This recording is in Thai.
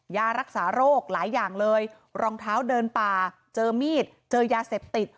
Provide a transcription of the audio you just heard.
ยารักษาโรคหลายอย่างเลยรองเท้าเดินป่าเจอมีดเจอยาเสพติด